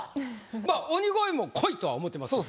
まあ鬼越も来いとは思ってますね。